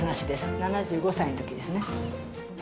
７５歳のときですね。